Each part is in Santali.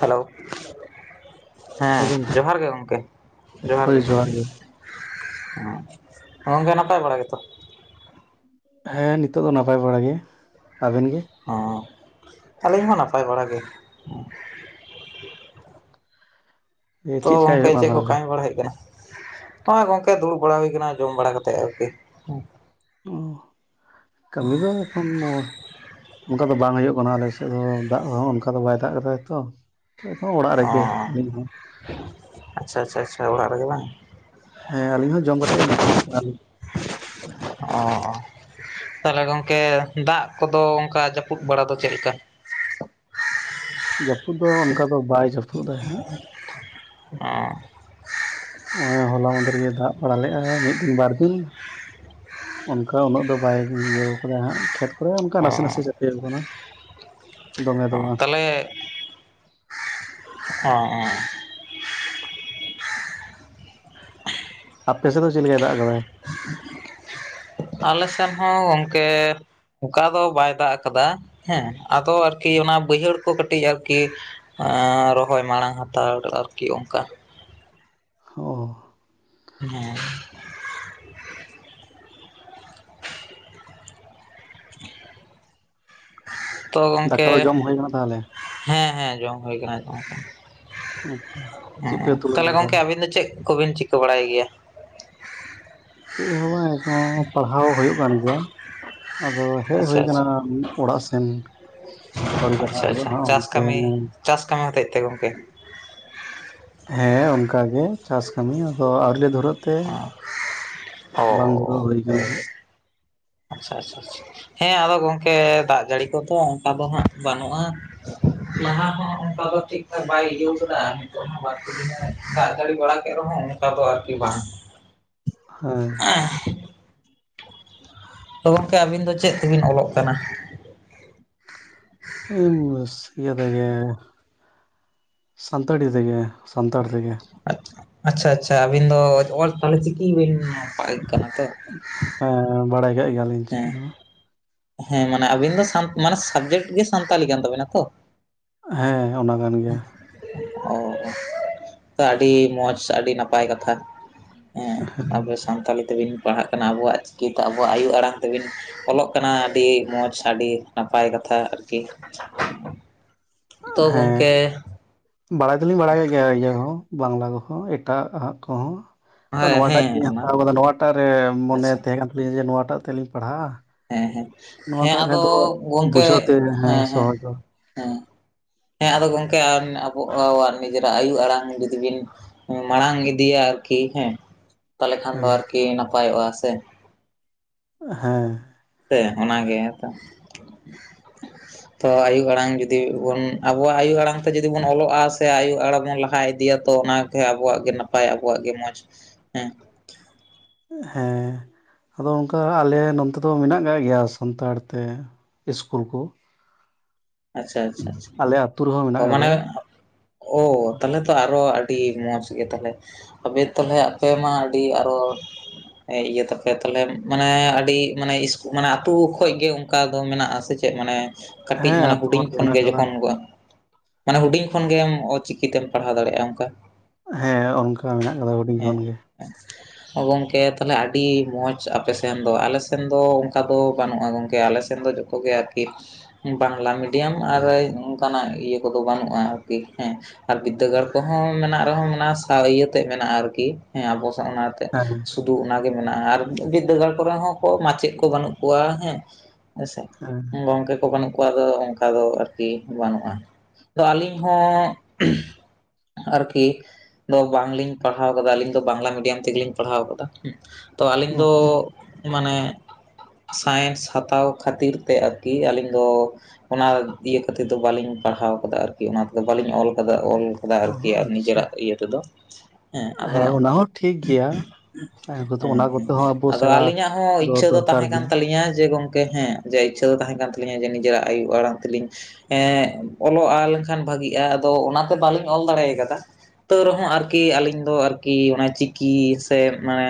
ᱦᱮᱞᱳ ᱦᱮᱸ ᱡᱚᱦᱟᱨ ᱜᱮ ᱜᱚᱢᱠᱮ ᱡᱚᱦᱟᱨ ᱜᱮ ᱦᱸᱚ ᱟᱢ ᱜᱮ ᱱᱟᱯᱟᱭ ᱵᱟᱲᱟ ᱜᱮᱛᱚ? ᱦᱮᱸ ᱱᱤᱛᱚᱜ ᱫᱚ ᱱᱟᱯᱟᱭ ᱵᱟᱲᱟ ᱜᱮ ᱾ ᱟᱵᱮᱱ ᱜᱮ? ᱦᱚᱸ ᱟᱹᱞᱤᱧ ᱦᱚᱸ ᱱᱟᱯᱟᱭ ᱵᱟᱲᱟ ᱜᱮ ᱾ ᱮ ᱪᱮᱫ ᱛᱚ ᱪᱮᱠᱟᱭ ᱜᱚᱝᱠᱮ ᱦᱩᱭᱩᱜ ᱠᱟᱱᱟ ᱪᱮᱫ ᱠᱚ ᱛᱟᱦᱚᱞᱮ ᱠᱟᱹᱢᱤ ᱵᱟᱲᱟ ᱦᱩᱭᱩᱜ ᱠᱟᱱᱟ ᱱᱚᱜ-ᱚᱭ ᱱᱚᱜᱚᱭ ᱜᱚᱝᱠᱮ ᱫᱩᱲᱩᱵ ᱵᱟᱲᱟ ᱦᱩᱭ ᱟᱠᱟᱱᱟ ᱡᱚᱢ ᱵᱟᱲᱟ ᱠᱟᱛᱮᱫ ᱟᱨᱠᱤ ᱾ ᱚ ᱠᱟᱹᱢᱤ ᱫᱚ ᱮᱠᱷᱚᱱ ᱚᱱᱠᱟ ᱫᱚ ᱵᱟᱝ ᱦᱩᱭᱩᱜ ᱠᱟᱱᱟ ᱟᱞᱮ ᱥᱮᱫ ᱫᱚ ᱫᱟᱜ ᱦᱚᱸ ᱚᱱᱠᱟ ᱫᱚ ᱵᱟᱭ ᱫᱟᱜ ᱠᱟᱫᱟᱭ ᱛᱚ ᱾ ᱮᱠᱷᱚᱱ ᱚᱲᱟᱜ ᱚ ᱨᱮᱜᱮ ᱟᱹᱞᱤᱧ ᱦᱚᱸ ᱾ ᱟᱪᱪᱷᱟ ᱟᱪᱪᱷᱟ ᱟᱪᱪᱷᱟ ᱚᱲᱟᱜ ᱨᱮᱜᱮ ᱵᱟᱝ ᱾ ᱦᱮᱸ ᱟᱞᱤᱧ ᱦᱚᱸ ᱡᱚᱢ ᱠᱟᱛᱮᱫ ᱜᱤᱛᱤᱡ ᱟᱞᱤᱧ ᱚ ᱛᱟᱦᱚᱞᱮ ᱜᱚᱝᱠᱮ ᱫᱟᱜ ᱠᱚᱫᱚ ᱚᱱᱠᱟ ᱡᱟᱹᱯᱩᱫ ᱵᱟᱲᱟ ᱫᱚ ᱪᱮᱫᱞᱮᱠᱟ? ᱡᱟᱹᱯᱩᱫ ᱫᱚ ᱚᱱᱠᱟ ᱫᱚ ᱵᱟᱭ ᱡᱟᱹᱯᱩᱫ ᱫᱟ ᱦᱟᱸᱜ ᱾ ᱟᱸ ᱱᱚᱜᱚᱭ ᱦᱚᱞᱟ ᱢᱽᱫᱷᱮᱨ ᱜᱮᱭ ᱫᱟᱜ ᱵᱟᱲᱟ ᱞᱮ-ᱟᱬᱭ ᱢᱤᱫ ᱫᱤᱱ ᱵᱟᱨ ᱫᱤᱱ ᱾ ᱚᱱᱠᱟ ᱩᱱᱟᱹᱜ ᱫᱚ ᱵᱟᱭ ᱤᱭᱟᱹ ᱠᱟᱫᱟ ᱦᱜ ᱠᱷᱮᱛ ᱠᱚᱨᱮ ᱚᱱᱠᱟ ᱱᱟᱥᱮ ᱱᱟᱥᱮ ᱚ ᱪᱟᱯᱮ ᱟᱠᱟᱱᱟ ᱾ ᱛᱟᱦᱚᱞᱮ ᱚᱸ ᱟᱯᱮ ᱥᱮᱫ ᱫᱚ ᱪᱮᱫ ᱞᱮᱠᱟᱭ ᱫᱟᱜ ᱟᱠᱟᱫᱟᱭ? ᱟᱞᱮ ᱥᱮᱱ ᱦᱚᱸ ᱜᱚᱝᱠᱮ ᱚᱱᱠᱟ ᱫᱚ ᱵᱟᱭ ᱫᱟᱜ ᱟᱠᱟᱫᱟ ᱾ ᱦᱮᱸ ᱟᱫᱚ ᱟᱨᱠᱤ ᱚᱱᱟ ᱵᱟᱹᱭᱦᱟᱹᱲ ᱠᱚ ᱠᱟᱹᱴᱤᱡ ᱟᱨᱠᱤ ᱨᱚᱦᱚᱭ ᱢᱟᱲᱟᱝ ᱦᱟᱛᱟᱲ ᱟᱨᱠᱤ ᱚᱱᱠᱟ ᱦᱚᱸ-ᱚ ᱦᱮᱸ ᱛᱚ ᱫᱟᱠᱟ ᱜᱚᱢᱠᱮ ᱫᱚ ᱡᱚᱢ ᱦᱩᱭ ᱠᱟᱱᱟ ᱛᱟᱦᱚᱞᱮ ᱦᱮᱸ ᱦᱮᱸ ᱡᱚᱢ ᱦᱩᱭ ᱟᱠᱱᱟ ᱮᱠᱷᱮᱱ ᱫᱚ ᱾ ᱟᱪᱪᱷᱟ, [inaudible] ᱪᱮᱫ ᱯᱮ ᱦᱮᱸ ᱩᱛᱩ ᱛᱟᱦᱚᱞᱮ ᱞᱮᱫᱟ ᱜᱚᱝᱠᱮ ᱟᱵᱤᱱ ᱫᱚ ᱪᱮᱫ ᱠᱚᱵᱤᱱ ᱪᱤᱠᱟᱹ ᱵᱟᱲᱟᱭ ᱜᱮᱭᱟ ᱪᱮᱫ ᱦᱚᱸ ᱵᱟᱝ ᱮᱠᱷᱱ ᱯᱟᱲᱦᱟᱣ ᱦᱩᱭᱩᱜ ᱠᱟᱱ ᱜᱤᱭᱟ᱾ ᱟᱫᱚ ᱦᱮᱡ ᱟᱪᱪᱷᱟ ᱦᱩᱭ ᱟᱠᱟᱱᱟ ᱟᱪᱪᱷᱟ ᱚᱲᱟᱜ ᱥᱮᱱ ᱟᱹᱣᱨᱤ ᱪᱟᱞᱟᱜ ᱟᱪᱪᱷᱟ ᱟᱪᱪᱷᱟ ᱦᱩᱭᱩᱜ-ᱟ ᱪᱟᱥ ᱚᱱᱛᱮ ᱠᱟᱹᱢᱤ ᱪᱟᱥ ᱠᱟᱹᱢᱤ ᱦᱚᱛᱮᱡ ᱛᱮ ᱜᱚᱢᱠᱮ ᱦᱮᱸ ᱚᱱᱠᱟᱜᱮ ᱪᱟᱥ ᱠᱟᱹᱢᱤ ᱟᱫᱚ ᱟᱣᱨᱤᱞᱮ ᱫᱷᱚᱨᱟᱜ ᱛᱮ ᱚ ᱵᱟᱝ ᱜᱚᱞᱚ ᱦᱩᱭ ᱠᱟᱱᱟ ᱦᱟᱸᱜ ᱟᱪᱪᱷᱟ ᱟᱪᱪᱷᱟ ᱟᱪᱪᱷᱟ ᱦᱮᱸ ᱟᱫᱚ ᱜᱚᱝᱠᱮ ᱫᱟᱜ ᱡᱟᱹᱲᱤ ᱠᱚᱫᱚ ᱚᱱᱠᱟ ᱫᱚ ᱦᱟᱸᱜ ᱵᱟᱹᱱᱩᱜᱼᱟ [inaudible] ᱞᱟᱦᱟ ᱦᱚᱸ ᱚᱱᱠᱟ ᱫᱚ ᱴᱷᱤᱠ ᱴᱷᱟᱠ ᱵᱟᱭ ᱤᱭᱟᱹᱣᱠᱟᱫᱟ ᱱᱤᱛᱚᱜ ᱦᱚᱸ ᱵᱟᱨ ᱞᱮ ᱫᱤᱱᱮ ᱫᱟᱜ ᱢᱟᱲᱤ ᱵᱟᱲᱟ ᱠᱮᱫ ᱨᱮᱦᱚᱸ ᱝᱠᱟᱫᱚ ᱟᱨᱠᱤ ᱵᱟᱝ ᱦᱟᱸᱜ ᱦᱮᱸ ᱛᱚ ᱜᱚᱝᱠᱮ ᱟᱵᱤᱱ ᱫᱚ ᱪᱮᱫ ᱛᱮᱵᱤᱱ ᱚᱞᱚᱜ ᱠᱟᱱᱟ [unintelligible] ᱥᱟᱱᱛᱟᱲᱤ ᱛᱮᱜᱮ ᱥᱟᱱᱛᱟᱲ ᱛᱮᱜᱮ ᱟᱪᱪᱷᱟ ᱟᱪᱪᱷᱟ ᱟᱹᱵᱤᱱ ᱫᱚ ᱚ ᱛᱟᱦᱚᱞᱮ ᱪᱤᱠᱤ ᱵᱤᱱ ᱯ ᱠᱟᱱᱟ ᱛᱚ ᱦᱮᱸ ᱵᱟᱲᱟᱭ ᱠᱟᱜ ᱜᱮᱭᱟᱞᱤᱧ ᱪᱤᱠᱤ ᱦᱮᱸ ᱦᱚᱸ ᱦᱮᱸ ᱢᱟᱱᱮ ᱟᱵᱤᱱ ᱫᱚ ᱥᱟᱱᱛ ᱢᱟᱱᱮ ᱥᱟᱵᱡᱮᱠᱴ ᱜᱮ ᱥᱟᱱᱛᱟᱞᱤ ᱠᱟᱱ ᱛᱟᱵᱤᱱᱟ ᱛᱚ ᱦᱮᱸ ᱚᱱᱟ ᱠᱟᱱ ᱜᱮᱭᱟ ᱚ ᱟᱹᱰᱤ ᱢᱚᱡᱽ ᱟᱹᱰᱤ ᱱᱟᱯᱟᱭ ᱠᱟᱛᱷᱟ ᱮᱸ ᱟᱵᱮ ᱥᱟᱱᱛᱟᱞᱤ ᱛᱮᱵᱤᱱ ᱯᱟᱲᱦᱟᱜ ᱠᱟᱱᱟ ᱟᱵᱚᱣᱟᱜ ᱪᱤᱠᱤᱛᱮ ᱟᱵᱚᱣᱟᱜ ᱟᱭᱩ ᱟᱲᱟᱝ ᱛᱮᱵᱤᱱ ᱚᱞᱚᱜ ᱠᱟᱱᱟ ᱠᱟᱱᱟ ᱟᱹᱰᱤ ᱢᱚᱡᱽ ᱟᱹᱰᱤ ᱱᱟᱯᱟᱭ ᱠᱟᱛᱷᱟ ᱟᱨᱠᱤ ᱛᱚ ᱦᱮᱸ ᱜᱚᱝᱠᱮ ᱵᱟᱲᱟᱭ ᱫᱚᱞᱤᱧ ᱵᱟᱲᱟᱭ ᱜᱮᱭᱟ ᱤᱭᱟᱹ ᱦᱚᱸ ᱵᱟᱝᱞᱟ ᱠᱚᱦᱚᱸ ᱮᱴᱟᱜᱟ ᱠᱚᱦᱚᱸ ᱛᱚ ᱦᱮᱸ ᱱᱚᱣᱟᱴᱟᱜ ᱦᱮᱸ ᱜᱮᱞᱤᱧ ᱚᱱᱟ ᱦᱟᱛᱟᱣ ᱠᱟᱫᱟ ᱱᱚᱣᱟᱴᱟᱜ ᱨᱮ ᱢᱚᱱᱮ ᱟᱪᱪᱷᱟ ᱛᱟᱦᱮᱸ ᱠᱟᱱ ᱛᱟᱹᱞᱞᱤᱧᱟ ᱡᱮ ᱱᱚᱣᱟᱴᱟᱜ ᱛᱮ ᱞᱤᱧ ᱯᱟᱲᱦᱟᱜᱼᱟ ᱦᱮᱸ ᱦᱮᱸ ᱦᱮᱸ ᱱᱚᱣᱟᱴᱟᱜ ᱠᱷᱟᱡ ᱟᱫᱚ ᱫᱚ ᱜᱚᱝᱠᱮ ᱵᱩᱡᱷᱟᱹᱣ ᱛᱮ ᱦᱮᱸ ᱦᱮᱸ ᱥᱚᱦᱚᱡᱚᱜ ᱦᱮᱸ ᱦᱮᱸ ᱟᱫᱚ ᱜᱚᱝᱠᱮ ᱟᱵᱚᱣᱟᱜ ᱱᱤᱡᱮᱨᱟᱜ ᱟᱭᱩ ᱟᱲᱟᱝ ᱡᱩᱫᱤ ᱵᱤᱱ ᱢᱟᱲᱟᱝ ᱤᱫᱤᱭᱟ ᱟᱨᱠᱤ ᱦᱮᱸ ᱛᱟᱦᱚᱞᱮ ᱠᱷᱟᱱ ᱫᱚ ᱦᱮᱸ ᱟᱨᱠᱤ ᱱᱟᱯᱟᱭᱚᱜᱼᱟ ᱥᱮ ᱦᱮᱸ ᱥᱮ ᱚᱱᱟᱜᱮᱛᱚ [inaudible] ᱛᱚ ᱟᱭᱩ ᱟᱲᱟᱝ ᱡᱩᱫᱤ ᱵᱚᱱ ᱟᱵᱚᱣᱟᱜ ᱟᱭᱩ ᱟᱲᱟᱝ ᱛᱮ ᱡᱩᱫᱤ ᱵᱚᱱ ᱚᱞᱚᱜᱼᱟ ᱥᱮ ᱟᱭᱩ ᱟᱲᱟᱝ ᱵᱚᱱ ᱞᱟᱦᱟ ᱤᱫᱤᱭᱟ ᱛᱚ ᱚᱱᱟ ᱦᱮᱸ ᱟᱵᱚᱣᱟᱜ ᱜᱮ ᱱᱟᱯᱟᱭ ᱟᱵᱚᱣᱟᱜ ᱜᱮ ᱢᱚᱸᱡᱽ ᱦᱮᱸ ᱦᱮᱸ ᱟᱫᱚ ᱚᱱᱠᱟ ᱟᱞᱮ ᱱᱚᱱ ᱛᱮ ᱫᱚ ᱢᱮᱱᱟᱜ ᱠᱟᱜ ᱜᱮᱭᱟ ᱥᱟᱱᱛᱟᱲ ᱛᱮ ᱤᱥᱠᱩᱞ ᱠᱚ ᱟᱪᱪᱷᱟ ᱟᱪᱪᱷᱟ ᱟᱪᱪᱷᱟ ᱟᱞᱮ ᱟᱹᱛᱩ ᱨᱮᱦᱚᱸ ᱚ ᱢᱮᱱᱟᱜ ᱢᱟᱱᱮ ᱠᱟᱫᱟ ᱳ ᱛᱟᱦᱚᱞᱮ ᱛᱚ ᱟᱨᱚ ᱟᱹᱰᱤ ᱢᱚᱸᱡᱽ ᱜᱮ ᱛᱟᱦᱚᱞᱮ ᱟᱵᱮ ᱛᱟᱦᱚᱞᱮ ᱟᱯᱮᱢᱟ ᱟᱹᱰᱤ ᱟᱨᱚ ᱮ ᱤᱭᱟᱹ ᱛᱟᱯᱮ ᱛᱟᱦᱞᱮ ᱢᱟᱱᱮ ᱟᱹᱰᱤ ᱢᱟᱱᱮ ᱤᱥ ᱢᱟᱱᱮ ᱟᱹᱛᱩ ᱠᱷᱚᱡ ᱜᱮ ᱚᱱᱠᱟ ᱫᱚ ᱢᱮᱱᱟᱜᱼᱟ ᱥᱮ ᱪᱮᱫ ᱢᱟᱱᱮ ᱠᱟᱹᱴᱤᱡ ᱦᱮᱸ ᱢᱟᱱᱮ ᱟᱹᱛᱩ ᱦᱩᱰᱤᱧ ᱠᱷᱚᱱ ᱢᱮᱱᱟᱜ ᱜᱮ ᱠᱟᱫᱟ ᱡᱚᱠᱷᱚᱱ ᱠᱚ ᱢᱟᱱᱮ ᱦᱩᱰᱤᱧ ᱠᱷᱚᱱᱜᱮᱢ ᱚᱪᱤᱠᱤᱛᱮᱢ ᱯᱟᱲᱦᱟᱣ ᱫᱟᱲᱮᱭᱟᱜᱼᱟ ᱚᱱᱠᱟ ᱦᱮᱸ ᱚᱱᱠᱟ ᱢᱮᱱᱟᱜ ᱠᱟᱫᱟ ᱦᱩᱰᱤᱧ ᱠᱷᱚᱱ ᱜᱮ ' [unintelligible] ᱳ ᱜᱚᱢᱠᱮ ᱛᱟᱦᱚᱞᱮ ᱟᱹᱰᱤ ᱢᱚᱡᱽ ᱟᱯᱮ ᱥᱮᱱ ᱫᱚ ᱟᱞᱮ ᱥᱮᱱ ᱫᱚ ᱚᱱᱠᱟ ᱫᱚ ᱵᱟᱹᱱᱩᱜᱼᱟ ᱜᱚᱢᱠᱮ ᱟᱞᱮ ᱥᱮᱱ ᱫᱚ ᱠᱚ ᱜᱮ‌ ᱟᱠᱤ ᱵᱟᱝᱞᱟ ᱢᱤᱰᱤᱭᱟᱢ ᱟᱨ ᱚᱱᱠᱟᱱᱟᱜ ᱤᱭᱟᱹ ᱠᱚᱫᱚ ᱵᱟᱹᱱᱩᱜᱼᱟ ᱟᱨᱠᱤ ᱦᱮᱸ ᱟᱨ ᱵᱤᱫᱽᱫᱟᱹᱜᱟᱲ ᱠᱚᱦᱚᱸ ᱢᱮᱱᱟᱜ ᱨᱮᱦᱚᱸ ᱢᱮᱱᱟ ᱥᱟᱶ ᱤᱭᱟᱹ ᱛᱮᱫ ᱢᱮᱱᱟᱜᱼᱟ ᱟᱨᱠᱤ ᱦᱮᱸ ᱟᱵᱚ ᱥᱟ ᱚᱱᱟ ᱦᱮᱸ ᱥᱩᱫᱷᱩ ᱚᱱᱟᱜᱮ ᱢᱮᱱᱟᱜᱼᱟ ᱟᱨ ᱵᱤᱨᱫᱟᱹᱜᱟᱲ ᱠᱚᱨᱮ ᱦᱚᱸ ᱠᱚ ᱢᱟᱪᱮᱫ ᱠᱚ ᱵᱟᱹᱱᱩᱜ ᱠᱚᱣᱟ ᱦᱮᱸ ᱦᱮᱸᱥᱮ ᱦᱮᱸ ᱜᱚᱝᱠᱮ ᱠᱚ ᱵᱟᱱᱩᱜ ᱠᱟ ᱫᱚ ᱚᱱᱠᱟ ᱫᱚ ᱟᱨᱠᱤ ᱵᱟᱹᱱᱩᱜᱼᱟ ᱛᱚ ᱟᱹᱞᱤᱧ ᱦᱚᱸ ᱟᱨᱠᱤ ᱫᱚ ᱵᱟᱝᱞᱤᱧ ᱯᱟᱲᱦᱟᱣ ᱠᱟᱫᱟ ᱟᱞᱤᱧ ᱫᱚ ᱵᱟᱝᱞᱟ ᱢᱤᱰᱤᱭᱟᱢ ᱛᱮᱜᱮᱞᱤᱧ ᱯᱟᱲᱦᱟᱣ ᱟᱠᱟᱫᱟ ᱛᱚ ᱟᱹᱞᱤᱧ ᱫᱚ ᱢᱟᱱᱮ ᱥᱟᱭᱮᱱᱥ ᱦᱟᱛᱟᱣ ᱠᱷᱟᱹᱛᱤᱨ ᱛᱮ ᱟᱨᱠᱤ ᱟᱹᱞᱤᱧ ᱫᱚ ᱚᱱᱟ ᱤᱭᱟᱹ ᱠᱟᱛᱮ ᱫᱚ ᱵᱟᱞᱤᱧ ᱯᱟᱲᱦᱟᱣ ᱠᱟᱫᱟ ᱟᱨᱠᱤ ᱚᱱᱟ ᱛᱮᱫᱚ ᱵᱟᱹᱞᱤᱧ ᱚᱞ ᱠᱟᱫᱟ ᱚᱞ ᱠᱟᱫᱟ ᱟᱨᱠᱤ ᱟᱪᱪᱷᱟ ᱱᱤᱡᱮᱨᱟᱜ ᱤᱭᱟᱹ ᱛᱮᱫᱚ ᱦᱮᱸ ᱟᱫᱚ ᱚᱱᱟ ᱦᱚᱸ ᱴᱷᱤᱠ ᱜᱮᱭᱟ ᱥᱟᱭᱮᱱᱥ ᱠᱚᱛᱮ ᱦᱮᱸ ᱚᱱᱟ ᱦᱮᱸ ᱠᱚᱛᱮ ᱦᱚᱸ ᱟᱵᱚ ᱟᱫᱚ ᱥᱮᱬᱟ ᱟᱹᱞᱤᱧᱟᱜ ᱦᱚᱸ ᱤᱪᱪᱷᱟᱹ ᱫᱚ ᱫᱚᱨᱠᱟᱨ ᱛᱟᱦᱮᱸ ᱠᱟᱱ ᱜᱮ ᱛᱟᱹᱟᱞᱤᱧᱟ ᱡᱮ ᱜᱚᱝᱠᱮ ᱦᱮᱸ ᱡᱮ ᱤᱪᱪᱷᱟᱹ ᱫᱚ ᱛᱟᱦᱮᱸ ᱠᱟᱱ ᱛᱟᱹᱞᱤᱧᱟ ᱡᱮ ᱱᱤᱡᱮᱨᱟᱜ ᱟᱭᱳ ᱟᱲᱟᱝ ᱛᱮᱞᱤᱧ ᱦᱮᱸ ᱚᱞᱚᱜᱼᱟ ᱞᱮᱱᱠᱷᱟᱱ ᱵᱷᱟᱜᱤᱼᱟ ᱟᱫᱚ ᱚᱱᱟᱛᱮ ᱵᱟᱹᱞᱤᱧ ᱚᱞ ᱫᱟᱲᱮ ᱠᱟᱫᱟ ᱛᱟᱹᱣ ᱨᱮᱦᱚᱸ ᱟᱨᱠᱤ ᱟᱹᱞᱤᱧ ᱫᱚ ᱟᱨᱠᱤ ᱚᱱᱟ ᱪᱤᱠᱤ ᱥᱮ ᱢᱟᱱᱮ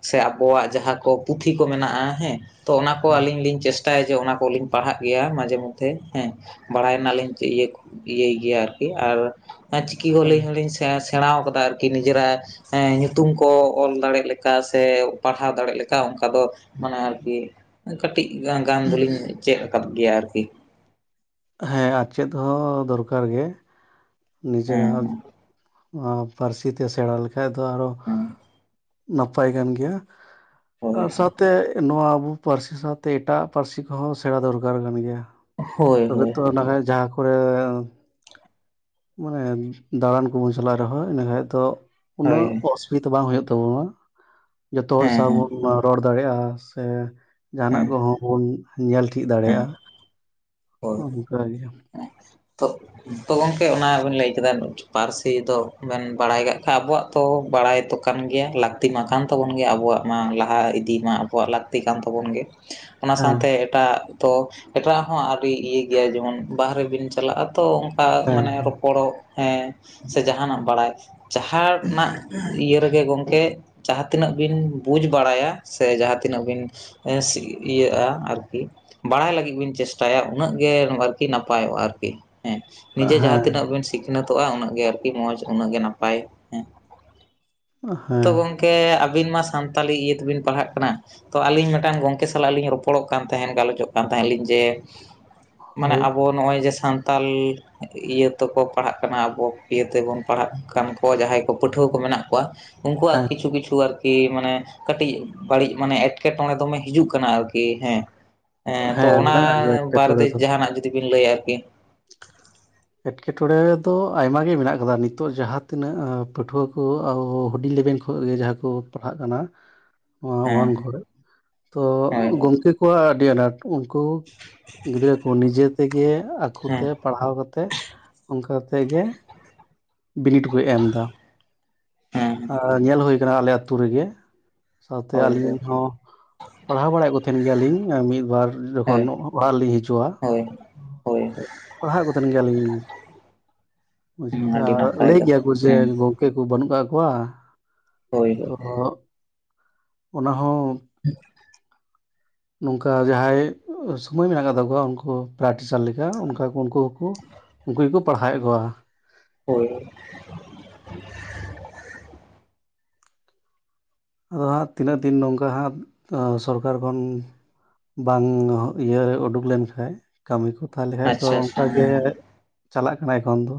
ᱥᱮ ᱟᱵᱚᱣᱟᱜ ᱡᱟᱦᱟᱸ ᱠᱚ ᱯᱩᱛᱷᱤ ᱠᱚ ᱢᱮᱱᱟᱜᱼᱟ ᱦᱮᱸ ᱛᱚ ᱚᱱᱟ ᱠᱚ ᱟᱹᱞᱤᱧ ᱞᱤᱧ ᱪᱮᱥᱴᱟᱭᱟ ᱡᱮ ᱚᱱᱟ ᱠᱚᱞᱤᱧ ᱯᱟᱲᱦᱟᱜ ᱜᱮᱭᱟ ᱢᱟᱡᱷᱮ ᱢᱚ ᱢᱚᱫᱽᱷᱮ ᱦᱮᱸ ᱵᱟᱲᱟᱭ ᱨᱮᱱᱟᱜ ᱞᱤᱧ ᱤᱭᱟ. ᱤᱭᱟᱹᱭ ᱜᱮᱭᱟ ᱟᱨᱠᱤ ᱟᱨ ᱦᱮᱸ ᱪᱤᱠᱤ ᱦᱚᱸᱞᱤ ᱦᱚᱸᱞᱤᱧ ᱥᱮ ᱥᱮᱬᱟᱣ ᱠᱟᱫᱟ ᱟᱨᱠᱤ ᱱᱤᱡᱮᱨᱟᱜ ᱦᱮᱸ ᱧᱩᱛᱩᱢ ᱠᱚ ᱚᱞ ᱫᱟᱲᱮᱜ ᱞᱮᱠᱟ ᱥᱮ ᱯᱟᱲᱦᱟᱣ ᱫᱟᱲᱮᱜ ᱞᱮᱠᱟ ᱚᱱᱠᱟ ᱫᱚ ᱢᱟᱱᱮ ᱟᱨᱠᱤ ᱠᱟᱹᱴᱤᱡ ᱜᱟᱸ ᱜᱟᱱ ᱫᱚᱞᱤᱧ ᱪᱮᱫ ᱟᱠᱟᱫ ᱜᱮᱭᱟ ᱟᱨᱠᱤ ᱦᱮᱸ ᱟᱨ ᱪᱮᱫ ᱦᱚᱸ ᱫᱚᱨᱠᱟᱨ ᱜᱮ᱾ ᱦᱮᱸ ᱱᱤᱡᱮᱨᱟᱜ ᱯᱟᱹᱨᱥᱤ ᱛᱮ ᱥᱮᱬᱟ ᱞᱮᱠᱷᱟ ᱫᱚ ᱟᱨᱚ ᱦᱮᱸ ᱱᱟᱯᱟᱭ ᱠᱟᱱ ᱜᱮᱭᱟ᱾ ᱦᱳᱭ ᱟᱨ ᱥᱟᱛᱼᱼ ᱛᱮ ᱱᱚᱣᱟ ᱟᱵᱚ ᱯᱟᱹᱨᱥᱤ ᱥᱟᱶᱛᱮ ᱮᱴᱟᱜ ᱯᱟᱹᱨᱥᱤ ᱠᱚᱦᱚᱸ ᱥᱮᱬᱟ ᱫᱚᱨᱠᱟᱨ ᱠᱟᱱ ᱜᱮᱭᱟ᱾ ᱦᱳᱭ ᱛᱚᱵᱮ ᱦᱳᱭ ᱛᱚ ᱦᱳᱭ ᱱᱟᱦᱟᱭ ᱡᱟᱦᱟᱸ ᱠᱚᱨᱮ ᱢᱟᱱᱮᱱ ᱫᱟᱬᱟᱱ ᱠᱚᱵᱩᱱ ᱪᱟᱞᱟᱜ ᱨᱮᱦᱚᱸ ᱤᱱᱟᱹᱠᱷᱟᱡ ᱫᱚ ᱦᱳᱭ ᱩᱱᱟᱹᱜ ᱠᱚᱥ ᱱᱤᱛ ᱵᱟᱝ ᱦᱩᱭᱩᱜ ᱛᱟᱵᱚᱣᱟ, ᱡᱚᱛᱚ ᱦᱚᱲ ᱦᱮᱸ ᱥᱟᱶ ᱦᱮᱸ ᱵᱚᱱ ᱨᱚᱲ ᱫᱟᱲᱮᱭᱟᱜᱼᱟ, ᱥᱮ ᱦᱮᱸ ᱡᱟᱦᱟᱸᱱᱟᱜ ᱠᱚᱦᱚᱸ ᱵᱩᱱ ᱧᱮᱞ ᱴᱷᱤᱠ ᱦᱮᱸ ᱫᱟᱲᱮᱭᱟᱜᱼᱟ ᱾ ᱦᱳᱭ ᱮᱸ ᱛᱳᱜ ᱛᱚ ᱜᱚᱝᱠᱮ ᱚᱱᱟ ᱵᱤᱱ ᱞᱟᱹᱭ ᱠᱮᱫᱟ ᱯᱟᱨᱥᱤ ᱫᱚ ᱵᱮᱱ ᱵᱟᱲᱟᱭ ᱠᱟᱜ ᱠᱷᱟᱜ ᱟᱵᱚᱣᱟᱜ ᱛᱚ ᱵᱟᱲᱟᱭᱛᱚ ᱠᱟᱱ ᱜᱮᱭᱟ ᱞᱟᱹᱠᱛᱤ ᱢᱟ ᱠᱟᱱ ᱛᱟᱵᱚᱱ ᱜᱮᱭᱟ ᱟᱵᱚᱣᱟᱜ ᱢᱟ ᱞᱟᱦᱟ ᱤᱫᱤ ᱢᱟ ᱟᱵᱚᱣᱟᱜ ᱞᱟᱠ ᱞᱟᱹᱠᱛᱤ ᱠᱟᱱ ᱛᱟᱵᱚᱱ ᱜᱮ ᱚᱱᱟ ᱦᱮᱸ ᱥᱟᱶᱛᱮ ᱮᱴᱟᱜ ᱫᱚ ᱮᱴᱟᱜ ᱦᱚᱸ ᱤᱭᱟᱹ ᱜᱮᱭᱟ ᱡᱮᱢᱚᱱ ᱵᱟᱦᱮᱨᱮᱵᱤᱱ ᱪᱟᱞᱟᱜᱼᱟ ᱛᱚ ᱚᱱᱠᱟ ᱦᱮᱸ ᱢᱟᱱᱮ ᱨᱚᱯᱚᱲ ᱦᱮᱸ, ᱥᱮ, ᱡᱟᱦᱟᱸᱱᱟᱜ ᱵᱟᱲᱟᱭ, ᱡᱟᱦᱟᱸᱱᱟᱜ ᱤᱭᱟᱹ ᱨᱮᱜᱮ ᱜᱚᱢᱠᱮ? ᱡᱟᱦᱟᱸ ᱛᱤᱱᱟᱹᱜ ᱵᱤᱱ ᱵᱩᱡᱽ ᱵᱟᱲᱟᱭᱟ, ᱥᱮ ᱡᱟᱦᱟᱸᱛᱤᱱᱟᱹᱜ ᱵᱤᱱ ᱦᱮᱸᱥᱤ ᱤᱭᱟᱹᱜᱼᱟ ᱾ ᱟᱨᱠᱤ ᱵᱟᱲᱟᱭ ᱞᱟᱹᱜᱤᱫ ᱵᱤᱱ ᱪᱮ? ᱛᱟᱭᱟ ᱾ ᱩᱱᱟᱹᱜ ᱜᱮ, ᱟᱨᱠᱤ ᱱᱟᱯᱟᱭᱚᱜᱼᱟ ᱾ ᱟᱨᱠᱤ ᱦᱮᱸ, ᱱᱤᱡᱮ ᱡᱟᱦᱟᱸ ᱦᱮᱸ ᱛᱤᱱᱟᱹᱜ ᱵᱤᱱ ᱥᱤ ᱥᱤᱠᱱᱟᱹᱛᱚᱜᱼᱟ ᱩᱱᱟᱹᱜ ᱜᱮ ᱟᱨᱠᱤ ᱢᱚᱡᱽ ᱩᱱᱟᱹᱜ ᱜᱮ ᱱᱟᱯᱟᱭ, ᱦᱮᱸ ᱛᱚ ᱠᱮ ᱟᱹᱵᱤᱱ ᱢᱟ ᱥᱟᱱᱛᱟᱞᱤ ᱤᱭᱟᱹ ᱛᱮᱵᱤᱱ ᱯᱟᱲᱦᱟᱜ ᱠᱟᱱᱟ ᱛᱚ ᱟᱹᱞᱤᱧ ᱢᱮᱴᱟᱱ ᱜᱚᱝᱠᱮ ᱥᱟᱞᱟᱜ ᱞᱤᱧ ᱨᱚᱯᱚᱲᱚᱜ ᱠᱟᱱ ᱛᱟᱦᱮᱸᱫ ᱜᱟᱞᱚᱪᱚᱜ ᱠᱟᱱ ᱛᱟᱦᱮᱸᱫ ᱞᱤᱧ ᱡᱮ ᱢᱟᱱᱮ ᱦᱳᱭ ᱟᱵᱚ ᱱᱚᱜᱼᱚᱭ ᱡᱮ ᱥᱟᱱᱛᱟᱞ, ᱤᱭᱟᱹ ᱛᱮᱠᱚ ᱯᱟᱲᱦᱟᱜ ᱠᱟᱱᱟ ᱟᱵᱚ ᱤᱭᱟᱹ ᱛᱮᱵᱚᱱ ᱯᱟᱲᱦᱟᱜ ᱠᱟᱱ ᱠᱚ ᱡᱟᱦᱟᱸᱭ ᱠᱚ ᱯᱟᱹᱴᱷᱩᱣᱟᱹ ᱠᱚ ᱢᱮᱱᱟᱜ ᱠᱚᱣᱟ ᱩᱱᱠᱩᱣᱟᱜ ᱦᱮᱸ ᱠᱤᱪᱷᱩ ᱠᱤᱪᱷᱩ ᱟᱨᱠᱤ ᱢᱟᱱᱮ ᱠᱟᱹᱴᱤᱡ ᱵᱟᱹᱲᱤᱡ ᱢᱟᱱᱮ ᱮᱸᱴᱠᱮᱴᱚᱬᱮᱸ ᱫᱚᱢᱮ ᱦᱤᱡᱩᱜ ᱠᱟᱱᱟ ᱟᱨᱠᱤ ᱠᱤ ᱦᱮᱸ ᱮᱸ ᱛᱚ ᱦᱮᱸ ᱚᱱᱟ ᱢᱮᱱᱟᱜᱼᱟ ᱜᱮᱭᱟ ᱮᱴᱠᱮᱴᱚᱬᱮ ᱵᱟᱨᱮᱛᱮ ᱫᱚ ᱡᱟᱦᱟᱱᱟᱜ ᱡᱩᱫᱤ ᱵᱤᱱ ᱞᱟᱹᱭ ᱟ ᱟᱨᱠᱤ? ᱮᱴᱠᱮᱴᱚᱬᱮ ᱫᱚ ᱟᱭᱢᱟ ᱜᱮ ᱢᱮᱱᱟᱜ ᱠᱟᱫᱟ ᱱᱤᱛᱚᱜ ᱡᱟᱦᱟᱸ ᱛᱤᱱᱟᱹᱜ ᱯᱟᱹᱴᱷᱩᱣᱟᱹ ᱠᱚ ᱦᱩᱰᱤᱧ ᱞᱮᱵᱮᱞ ᱦᱚᱭ ᱜᱮᱸ ᱡᱟᱦᱟᱸ ᱠᱚ ᱯᱟᱲᱦᱟᱜ ᱠᱟᱱᱟ [unintelligible] ᱱᱚᱣᱟ ᱦᱮᱸ ᱚᱶᱟᱱ ᱠᱚᱨᱮᱫ ᱛᱚ ᱦᱳᱭ ᱦᱳᱭ ᱜᱚᱢᱠᱮ ᱠᱚᱣᱟᱜ ᱟᱹᱰᱤ ᱟᱱᱟᱴ ᱩᱱᱠᱩ ᱜᱤᱫᱽᱨᱟᱹ ᱠᱚ ᱱᱤᱡᱮ ᱛᱮᱜᱮ ᱦᱮᱸ ᱟᱠᱚᱛᱮ ᱯᱟᱲᱦᱟᱣ ᱠᱟᱛᱮᱫ ᱚᱝᱠᱟ ᱛᱮᱸ ᱜᱮᱸ ᱵᱤᱱᱤᱰ ᱠᱚ ᱮᱢ ᱫᱟ ᱦᱮᱸ ᱟᱸ ᱧᱮᱞ ᱦᱩᱭ ᱟᱠᱟᱱᱟ ᱟᱞᱮ ᱟᱛᱩ ᱨᱮᱸᱜᱮᱸ ᱥᱟᱶᱛᱮ ᱦᱳᱭ ᱦᱳᱭ ᱟᱞᱤᱧ ᱦᱚᱸ ᱯᱟᱲᱦᱟᱣ ᱵᱟᱲᱟᱭᱮᱫ ᱠᱚ ᱛᱷᱮᱱ ᱜᱮᱭᱟᱞᱤᱧ ᱢᱤᱫᱵᱟᱨ ᱡᱚᱠᱷᱚᱱ ᱚᱲᱟᱜ ᱞᱤᱧ ᱦᱤᱡᱩᱜᱼᱟ᱾ ᱦᱳᱭ ᱦᱳᱭ ᱯᱟᱲᱦᱟᱣᱮᱫ ᱠᱚ ᱛᱟᱦᱮᱱ ᱜᱮᱭᱟᱞᱤᱧ, ᱦᱳᱭ ᱵᱩᱡᱷᱟᱣ᱾ ᱟᱹᱰᱤ ᱟᱸ ᱱᱟᱯᱟᱭ ᱞᱟᱹᱭ ᱜᱮᱭᱟ ᱠᱟᱛᱷᱟ ᱠᱚ ᱡᱮ ᱦᱮᱸ ᱜᱚᱢ ᱜᱚᱢᱠᱮ ᱠᱚ ᱵᱟᱹᱱᱩᱜ ᱠᱟᱜ ᱠᱚᱣᱟ ᱦᱳᱭ ᱦᱳᱭ ᱛᱚ ᱚᱱᱟ ᱦᱚᱸ [unintelligible] ᱱᱚᱝᱠᱟ ᱡᱟᱦᱟᱸᱭ ᱥᱚᱢᱚᱭ ᱢᱮᱱᱟᱜ ᱟᱠᱟᱫᱟ ᱛᱟᱠᱚᱣᱟ ᱩᱝᱠᱩ ᱯᱮᱨᱟᱴᱤᱪᱟᱨ ᱞᱮᱠᱟ ᱚᱱᱠᱟ ᱠᱚ ᱩᱱᱠᱩ ᱦᱩᱸᱠᱚ ᱩᱝᱠᱩ ᱜᱮᱠᱚ ᱯᱟᱲᱦᱟᱣᱮᱫ ᱠᱚᱣᱟ ᱾ ᱦᱳᱭ ᱾ ᱟᱫᱚ ᱦᱟᱸᱜ ᱛᱤᱱᱟᱹᱜ ᱫᱤᱱ ᱱᱚᱝᱠᱟ ᱦᱟᱸᱜ ᱥᱚᱨᱠᱟᱨ ᱠᱷᱚᱱ ᱵᱟᱝ ᱤᱭᱟᱹᱨᱮ ᱩᱰᱩᱠ ᱞᱮᱱᱠᱷᱟᱡᱽ ᱠᱟᱹᱢᱤ ᱠᱚ ᱛᱟᱦᱮ ᱞᱮᱠᱷᱟᱡ ᱫᱚ ᱟᱪᱪᱷᱟ ᱟᱪᱪᱷᱟ ᱚᱝᱠᱟ ᱜᱮ ᱦᱮᱸ ᱪᱟᱞᱟᱜ ᱠᱟᱱᱟ ᱮᱠᱷᱚᱱ ᱫᱚ?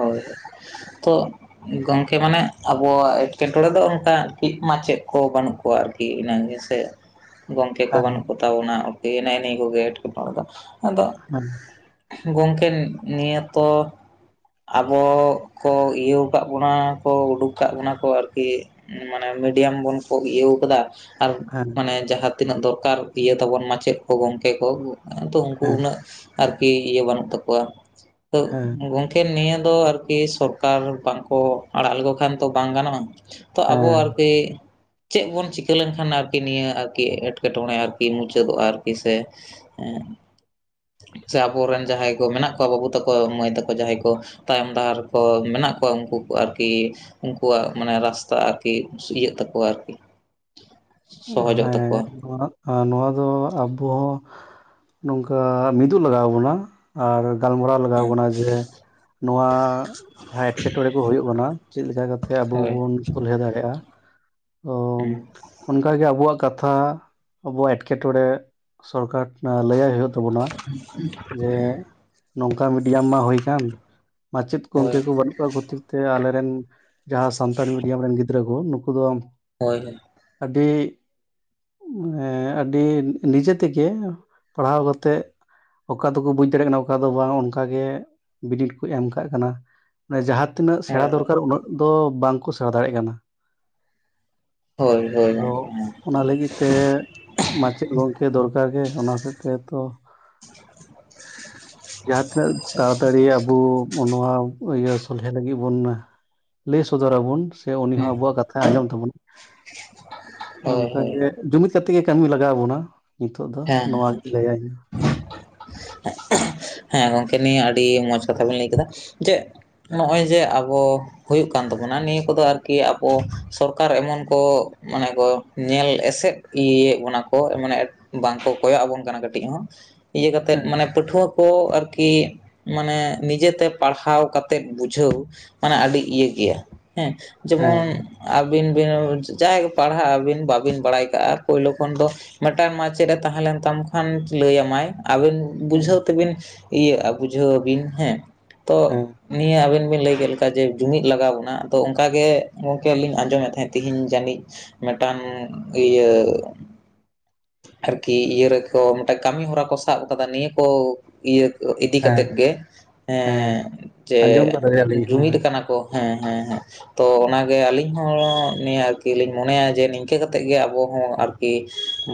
ᱦᱳᱭ ᱛᱚ ᱜᱚᱝᱠᱮ ᱢᱟᱱᱮ ᱟᱵᱚᱣᱟᱜ ᱮᱴᱠᱮᱴᱚᱬᱮᱸ ᱫᱚ ᱚᱝᱠᱟ ᱴᱤᱠ ᱢᱟᱪᱮᱫ ᱠᱚ ᱵᱟᱹᱱᱩᱜ [inaudible] ᱟᱨᱠᱤ ᱤᱱᱟᱹ ᱜᱮᱸ ᱥᱮᱸ ᱜᱚᱝᱠᱮ ᱠᱚ ᱦᱮᱸ ᱵᱟᱹᱱᱩᱜ ᱠᱚᱛᱟ ᱵᱚᱱᱟ ᱳᱠᱮᱭᱮᱱᱟ ᱮ ᱱᱤᱭᱟᱹ ᱠᱚᱜᱮ ᱮᱸᱴᱠᱮᱴᱚᱬᱮ ᱫᱚ ᱟᱫᱚ ᱦᱮᱸ ᱜᱚᱝᱠᱮ ᱱᱤᱭᱟᱹ ᱛᱚ ᱟᱵᱚ ᱠᱚ ᱤᱭᱟᱹᱣ ᱠᱟᱜ ᱵᱚᱱᱟ ᱠᱚ ᱩᱰᱩᱠ ᱟᱠᱟᱜ ᱵᱚᱱᱟ ᱠᱚ ᱟᱨᱠᱤ ᱢᱟᱱᱮ ᱢᱤᱰᱤᱭᱟᱢ ᱵᱚᱱ ᱠᱚ ᱤᱭᱟᱹᱶ ᱠᱟᱫᱟ ᱟᱨ ᱦᱮᱸ ᱢᱟᱱᱮ ᱡᱟᱦᱟᱸ ᱛᱤᱱᱟᱹᱜ ᱫᱚᱨᱠᱟᱨ ᱤᱭᱟᱹ ᱛᱟᱵᱚᱱ ᱢᱟᱪᱮᱫ ᱠᱚ ᱜᱚᱝᱠᱮ ᱠᱚ ᱛᱚ ᱩᱝᱠᱩ ᱦᱮᱸ ᱩᱱᱟᱹᱜ ᱟᱨᱠᱤ ᱤᱭᱟᱹ ᱵᱟᱹᱱᱩᱜ ᱛᱟᱠᱚᱣᱟ ᱛᱚ ᱦᱮᱸ ᱮᱠᱷᱮᱱ ᱱᱤᱭᱟᱹ ᱫᱚ ᱟᱨᱠᱤ ᱥᱚᱨᱠᱟᱨ ᱵᱟᱝᱠᱚ ᱟᱲᱟᱜ ᱞᱮᱠᱚ ᱠᱷᱟᱱ ᱛᱚ ᱵᱟᱝ ᱜᱟᱱᱚᱜᱼᱟ᱾ ᱛᱚ ᱟᱵᱚ ᱦᱮᱸ ᱟᱨᱠᱤ ᱪᱮᱫ ᱵᱚᱱ ᱪᱤᱠᱟᱹ ᱞᱮᱱᱠᱷᱟᱱ ᱟᱨᱠᱤ ᱱᱤᱭᱟᱹ ᱟᱨᱠᱤ ᱮᱸᱴᱠᱮ ᱴᱚᱬᱮ ᱟᱨᱠᱤ ᱢᱩᱪᱟᱹᱫᱚᱜᱼᱟ ᱟᱨᱠᱤ ᱥᱮ ᱦᱮ ᱥᱮ ᱟᱵᱚᱨᱮᱱ ᱡᱟᱦᱟᱸᱭ ᱠᱚ ᱢᱮᱱᱟᱜ ᱠᱚᱣᱟ ᱵᱟᱹᱵᱩ ᱛᱟᱠᱚ ᱢᱟᱹᱭ ᱛᱟᱠᱚ ᱡᱟᱦᱟᱸᱭ ᱠᱚ ᱛᱟᱭᱚᱢ ᱫᱟᱦᱟᱨ ᱠᱚ ᱢᱮᱱᱟᱜ ᱠᱚᱣᱟ ᱩᱱᱠᱩ ᱠᱚ ᱟᱨᱠᱤ ᱩᱱᱠᱩᱣᱟᱜ ᱢᱟᱱᱮ ᱨᱟᱥᱛᱟ ᱟᱨᱠᱤ ᱤᱭᱟᱹᱜ ᱛᱟᱠᱚᱣᱟ ᱟᱨᱠᱤ ᱩᱸ ᱥᱚᱦᱚᱡᱚᱜ ᱦᱮᱸ ᱛᱟᱠᱚᱣᱟ ᱱᱚᱣᱟ ᱱᱚᱣᱟ ᱫᱚ ᱟᱵᱚ ᱦᱚᱸ ᱱᱚᱝᱠᱟ ᱢᱤᱫᱩᱜ ᱞᱟᱜᱟᱣ ᱵᱚᱱᱟ ᱟᱨ ᱜᱟᱞ ᱢᱟᱨᱟᱣ ᱞᱟᱜᱟᱣ ᱦᱮᱸ ᱵᱚᱱᱟ ᱡᱮ ᱱᱚᱣᱟ ᱡᱟᱦᱟᱸ ᱮᱴᱠᱮᱴᱚᱬᱮ ᱠᱚ ᱦᱩᱭᱩᱜ ᱠᱟᱱᱟ ᱪᱮᱫ ᱞᱮᱠᱟ ᱠᱟᱛᱮᱜ ᱟᱵᱚ ᱦᱳᱭ ᱵᱚᱱ ᱥᱚᱞᱦᱮ ᱫᱟᱲᱮᱭᱟᱜᱼᱟ᱾ ᱚ ᱦᱩᱸ ᱚᱱᱠᱟᱜᱮ ᱟᱵᱚᱣᱟᱜ ᱠᱟᱛᱷᱟ ᱟᱵᱩᱣᱟᱜ ᱮᱴᱠᱮᱴᱚᱬᱮ ᱥᱚᱨᱠᱟᱨ ᱞᱟᱹᱭᱟᱭ ᱦᱩᱭᱩᱜ ᱛᱟᱵᱚᱱᱟ ᱡᱮ ᱱᱚᱝᱠᱟ ᱢᱤᱰᱤᱭᱟᱢ ᱢᱟ ᱦᱩᱭ ᱠᱟᱱ ᱢᱟᱪᱮᱫ ᱠᱚ ᱦᱳᱭ ᱜᱚᱝᱠᱮ ᱠᱚ ᱵᱟᱹᱱᱩᱜ ᱠᱚᱣᱟ ᱠᱷᱚᱛᱤᱨ ᱛᱮ ᱟᱞᱮᱨᱮᱱ ᱡᱟᱦᱟᱸ ᱥᱟᱱᱛᱟᱲᱤ ᱢᱤᱰᱤᱭᱟᱢ ᱨᱮᱱ ᱜᱤᱫᱽᱨᱟᱹ ᱠᱚ ᱱᱩᱠᱩ ᱫᱚ ᱦᱳᱭ ᱟᱹᱰᱤ ᱟᱹᱰᱤ ᱱᱤᱡᱮ ᱛᱮᱜᱮ ᱯᱟᱲᱦᱟᱣ ᱠᱟᱛᱮᱫ ᱚᱠᱟ ᱫᱚᱠᱚ ᱵᱩᱡᱽ ᱫᱟᱲᱮᱭᱟᱜ ᱠᱟᱱᱟ ᱚᱠᱟ ᱫᱚ ᱵᱟᱝ ᱚᱱᱠᱟ ᱜᱮ ᱵᱤᱱᱤᱰ ᱠᱚ ᱮᱢ ᱠᱟᱜᱽ ᱠᱟᱱᱟ᱾ ᱢᱟᱱᱮ ᱡᱟᱦᱟᱸ ᱛᱤᱱᱟᱹᱜ ᱦᱳᱭ ᱥᱮᱬᱟ ᱦᱳᱭ ᱫᱚᱨᱠᱟᱨ ᱩᱱᱟᱹᱜ ᱫᱚ ᱵᱟᱝᱠᱚ ᱥᱮᱬᱟ ᱫᱟᱲᱮᱭᱟᱜ ᱠᱟᱱᱟ᱾ ᱦᱳᱭ ᱦᱳᱭ ᱟᱫᱚ ᱜᱚᱢᱠᱮ ᱦᱮᱸ ᱚᱱᱟ ᱞᱟᱹᱜᱤᱫ ᱛᱮ ᱢᱟᱪᱮᱫ ᱜᱚᱝᱠᱮ ᱫᱚᱨᱠᱟᱨ ᱜᱮ ᱚᱱᱟ ᱦᱟᱛᱤᱨ ᱛᱮ ᱛᱚ [inaudible] ᱡᱟᱦᱟᱸ ᱛᱤᱱᱟᱹᱜ ᱛᱟᱲᱟᱛᱟᱲᱤ ᱟᱹᱵᱩ ᱱᱚᱣᱟ ᱤᱭᱟᱹ ᱥᱚᱞᱦᱮ ᱞᱟᱹᱜᱤᱫ ᱵᱩᱱ ᱞᱟᱹᱭ ᱥᱚᱫᱚᱨᱟᱵᱚᱱ ᱥᱮ ᱩᱱᱤ ᱦᱚᱸ ᱦᱩᱸ ᱟᱵᱚᱣᱟᱜ ᱠᱟᱛᱷᱟᱭ ᱟᱸᱡᱚᱢ ᱛᱟᱵᱚᱱ ᱦᱳᱭ ᱱᱚᱝᱠᱟ ᱦᱳᱭ ᱜᱮ ᱡᱩᱢᱤᱫᱽ ᱠᱟᱛᱮᱜ ᱜᱮ ᱠᱟᱹᱢᱤ ᱞᱟᱜᱟᱣ ᱟᱵᱚᱱᱟ᱾ ᱦᱮᱸ ᱦᱮᱸ ᱦᱮᱸ ᱜᱚᱝᱠᱮ ᱱᱤᱭᱟᱹ ᱟᱹᱰᱤ ᱢᱚᱡᱽ ᱠᱟᱛᱷᱟ ᱵᱮᱱ ᱞᱟᱹᱭ ᱠᱮᱫᱟ ᱡᱮ ᱱᱚᱜᱼᱚᱭ ᱡᱮ ᱟᱵᱚ ᱦᱩᱭᱩᱜ ᱠᱟᱱ ᱛᱟᱵᱚᱱᱟ ᱱᱤᱭᱟᱹ ᱠᱚᱫᱚ ᱟᱨᱠᱤ ᱟᱵᱚ ᱥᱚᱨᱠᱟᱨ ᱮᱢᱚᱱ ᱠᱚ ᱢᱟᱱᱮ ᱠᱚ ᱧᱮᱞ ᱮᱥᱮᱫ ᱤᱭᱟᱹᱭᱮᱫ ᱵᱚᱱᱟ ᱠᱚ ᱢᱟᱱᱮ ᱵᱟᱝ ᱠᱚ ᱠᱚᱭᱚᱜ ᱟᱵᱚᱱ ᱠᱟᱱᱟ ᱠᱟᱹᱴᱤᱡ ᱦᱚᱸ ᱤᱭᱟᱹ ᱠᱟᱛᱮᱫ ᱦᱮᱸ ᱢᱟᱱᱮ ᱯᱟᱹᱴᱷᱩᱣᱟᱹ ᱠᱚ ᱟᱨᱠᱤ ᱢᱟᱱᱮ ᱱᱤᱡᱮ ᱛᱮ ᱯᱟᱲᱦᱟᱣ ᱠᱟᱛᱮᱫ ᱵᱩᱡᱷᱟᱹᱣ ᱢᱟᱱᱮ ᱟᱹᱰᱤ ᱤᱭᱟᱹ ᱜᱮᱭᱟ ᱦᱮᱸ ᱦᱮᱸ ᱡᱮᱢᱚᱱ ᱟᱹᱵᱤᱱ ᱵᱤᱱ ᱡᱟᱦᱟᱸᱭ ᱯᱟᱲᱦᱟᱜ ᱟᱹᱵᱤᱱ ᱵᱟᱵᱤᱱ ᱵᱟᱲᱟᱭ ᱠᱟᱜᱼᱟ ᱯᱳᱭᱞᱳ ᱠᱷᱚᱱ ᱫᱚ ᱢᱤᱫᱴᱟᱝ ᱢᱟ ᱪᱮᱫ ᱮ ᱛᱟᱦᱮᱸ ᱞᱮᱱ ᱛᱟᱢ ᱠᱷᱟᱱ ᱞᱟᱹᱭ ᱟᱢᱟᱭ ᱟᱵᱤᱱ ᱦᱮᱸ ᱵᱩᱡᱷᱟᱹᱣ ᱛᱮᱵᱤᱱ ᱤᱭᱟᱹᱜᱼᱟ ᱵᱩᱡᱷᱟᱹᱣ ᱟᱵᱤᱱ ᱦᱮᱸ ᱛᱚ ᱦᱮᱸ ᱱᱤᱭᱟᱹ ᱟᱵᱮᱱ ᱵᱤᱱ ᱞᱟᱹᱭ ᱠᱮᱫ ᱞᱮᱠᱟ ᱡᱮ ᱡᱩᱢᱤᱫ ᱞᱟᱜᱟᱣ ᱵᱚᱱᱟ ᱟᱫᱚ ᱚᱱᱠᱟ ᱜᱮ ᱜᱚᱢᱠᱮ ᱞᱤᱧ ᱟᱸᱡᱚᱢᱮᱫ ᱛᱟᱦᱮᱸᱫ ᱛᱤᱦᱤᱧ ᱡᱟᱹᱱᱤᱡ ᱢᱤᱫᱴᱟᱝ ᱤᱭᱟᱹ ᱟᱨᱠᱤ ᱤᱭᱟᱹ ᱨᱮᱠᱚ ᱢᱤᱫᱴᱟᱝ ᱠᱟᱹᱢᱤ ᱦᱚᱨᱟ ᱠᱚ ᱥᱟᱵ ᱠᱟᱫᱟ ᱱᱤᱭᱟᱹ ᱠᱚ ᱤᱭᱟᱹ ᱤᱫᱤ ᱦᱮᱸ ᱠᱟᱛᱮᱫ ᱜᱮ ᱦᱮᱸ ᱡᱮ ᱟᱸᱡᱚᱢ ᱠᱟᱫᱟᱞᱮ ᱟᱹᱞᱤᱧ ᱦᱚᱸ ᱡᱩᱢᱤᱫ ᱦᱮᱸ ᱠᱟᱱᱟ ᱠᱚ ᱦᱮᱸ ᱦᱮᱸ ᱦᱮᱸ ᱛᱚ ᱚᱱᱟᱜᱮ ᱟᱹᱞᱤᱧ ᱟᱹᱞᱤᱧ ᱦᱚᱸ ᱱᱤᱭᱟᱹ ᱟᱨᱠᱤ ᱞᱤᱧ ᱢᱚᱱᱮᱭᱟ ᱡᱮ ᱱᱤᱝᱠᱟᱹ ᱠᱟ ᱠᱟᱛᱮᱫ ᱜᱮ ᱟᱵᱚ ᱦᱚᱸ ᱟᱨᱠᱤ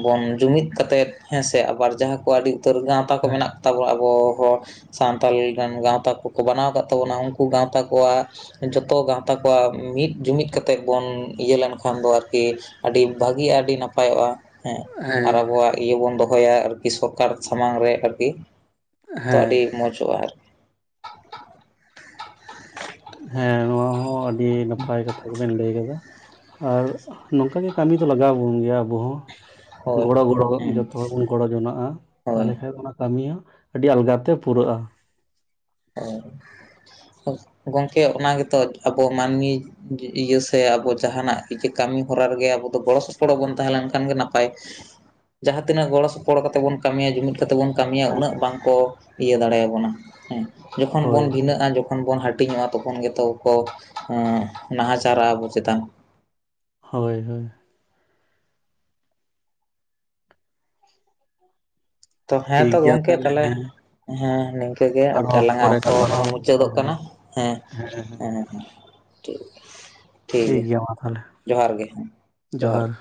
ᱵᱚᱱ ᱡᱩᱢᱤᱫ ᱠᱟᱛᱮᱫ ᱦᱮᱸ ᱥᱮ ᱟᱵᱟᱨ ᱡᱟᱦᱟᱸ ᱠᱚ ᱟᱹᱰᱤ ᱩᱛᱟᱹᱨ ᱜᱟᱶᱛᱟ ᱠᱚ ᱦᱮᱸ ᱢᱮᱱᱟᱜ ᱠᱚ ᱛᱟᱵᱚᱱᱟ ᱟᱵᱚ ᱦᱚᱲ ᱥᱟᱱᱛᱟᱞ ᱨᱮᱱ ᱜᱟᱶᱛᱟ ᱠᱚᱠᱚ ᱵᱮᱱᱟᱣ ᱟᱠᱟᱫ ᱛᱟᱵᱚᱱᱟ ᱩᱱᱠᱩ ᱜᱟᱶᱛᱟ ᱠᱚᱣᱟᱜ ᱡᱚᱛᱚ ᱜᱟᱶᱛᱟ ᱠᱚᱣᱟᱜ ᱢᱤᱫ ᱡᱩᱢᱤᱫ ᱠᱟᱛᱮᱜ ᱵᱚᱱ ᱤᱭᱟᱹ ᱞᱮᱱᱠᱷᱟᱱ ᱫᱚ ᱟᱨᱠᱤ ᱟᱹᱰᱤ ᱵᱷᱟᱹᱜᱤᱜᱼᱟ ᱟᱹᱰᱤ ᱱᱟᱯᱟᱭᱚᱜᱼᱟ ᱦᱮᱸ ᱟᱨ ᱦᱮᱸ ᱟᱵᱚᱣᱟᱜ ᱤᱭᱟᱹ ᱵᱚᱱ ᱫᱚᱦᱚᱭᱟ ᱟᱨᱠᱤ ᱥᱚᱨᱠᱟᱨ ᱥᱟᱢᱟᱝ ᱨᱮ ᱟᱨᱠᱤ ᱛᱚ ᱦᱮᱸ ᱟᱹᱰᱤ ᱢᱚᱡᱚᱜᱼᱟ ᱟᱨ ᱦᱮᱸ ᱱᱚᱶᱟ ᱦᱚᱸ ᱟᱹᱰᱤ ᱱᱟᱯᱟᱭ ᱠᱟᱛᱷᱟ ᱜᱮᱵᱮᱱ ᱞᱟᱹᱭ ᱟᱠᱟᱫᱟ, ᱟᱨ ᱱᱚᱝᱠᱟ ᱜᱮ ᱠᱟᱹᱢᱤ ᱫᱚ ᱞᱟᱜᱟᱣ ᱟᱵᱚᱱ ᱜᱮᱭᱟ ᱟᱵᱚ ᱦᱚᱸ ᱦᱳᱭ ᱜᱚᱲᱚ ᱜᱚᱲᱚ ᱦᱩᱸ ᱡᱚᱛᱚ ᱦᱚᱲ ᱵᱚᱱ ᱜᱚᱲᱚ ᱡᱚᱱᱟᱜᱼᱟ ᱦᱳᱭ ᱛᱟᱦᱚᱞᱮ ᱠᱷᱟᱱ ᱚᱱᱟ, ᱠᱟᱹᱢᱤ ᱦᱚᱸ ᱟᱹᱰᱤ ᱟᱞᱜᱟ ᱛᱮ ᱯᱩᱨᱟᱹᱜᱼᱟ ᱚ ᱜᱚᱢᱠᱮ ᱚᱱᱟ ᱜᱮᱛᱚ ᱟᱵᱚ ᱢᱟᱹᱱᱢᱤ ᱤᱭᱟᱹ ᱥᱮ ᱟᱵᱚ ᱡᱟᱦᱟᱱᱟᱜ ᱠᱤᱪᱷᱤ ᱠᱟᱹᱢᱤ ᱦᱚᱨᱟ ᱨᱮᱜᱮ ᱟᱵᱚ ᱫᱚ ᱜᱚᱲᱚ ᱥᱚᱯᱚᱲᱚ ᱵᱚᱱ ᱛᱟᱦᱮᱸ ᱞᱮᱱᱠᱷᱟᱱ ᱜᱮ ᱱᱟᱯᱟᱭ᱾ ᱡᱟᱦᱟᱸ ᱛᱤᱱᱟᱹᱜ ᱜᱚᱲᱚ ᱥᱚᱯᱚᱦᱚᱫ ᱠᱟᱛᱮ ᱵᱚᱱ ᱠᱟᱹᱢᱤᱭᱟ ᱡᱩᱢᱤᱫ ᱠᱟᱛᱮ ᱵᱚᱱ ᱠᱟᱹᱢᱤᱭᱟ ᱦᱮᱸ ᱩᱱᱟᱹᱜ ᱵᱟᱝ ᱠᱚ ᱤᱭᱟᱹ ᱫᱟᱲᱮᱭᱟᱵᱚᱱᱟ, ᱦᱮᱸ ᱡᱚᱠᱷᱚᱱ ᱦᱳᱭ ᱵᱚᱱ ᱵᱷᱤᱱᱟᱹᱜᱼᱟᱚᱠᱷᱚᱱ ᱡᱚᱠᱷᱚᱱ ᱵᱚᱱ ᱦᱟᱹᱴᱤᱧᱚᱜᱼᱟ ᱛᱚᱠᱷᱚᱱ ᱜᱮᱛᱚ ᱠᱚ ᱱᱟᱦᱟᱪᱟᱨᱟᱜᱼᱟ ᱟᱵᱚ ᱪᱮᱛᱟᱱ, ᱦᱳᱭ ᱦᱳᱭ ᱛᱚ ᱦᱮᱸ ᱛᱚ ᱴᱷᱤᱠ ᱜᱮᱭᱟ ᱜᱚᱢᱠᱮ ᱛᱟᱦᱚᱞᱮ, ᱦᱮᱸ ᱦᱮᱸ ᱱᱤᱝᱠᱟᱹ ᱜᱮ ᱟᱨᱦᱚᱸ ᱜᱟᱞᱟᱝ ᱟ ᱯᱚᱨᱮ ᱚᱠᱛᱚ ᱦᱚᱸ ᱜᱟᱞᱢᱟᱨᱟᱣ ᱦᱩᱭᱩᱜᱼᱟ ᱢᱩᱪᱟᱹᱫᱚᱜ ᱦᱮᱸ ᱠᱟᱱᱟ ᱦᱮᱸ ᱦᱮᱸ ᱦᱮᱸ ᱴᱷᱤᱠ ᱴᱷᱤᱠ ᱜᱮᱭᱟ ᱡᱚᱦᱟᱨ ᱜᱮ ᱦᱮᱸ ᱡᱚᱦᱟᱨ ᱜᱮ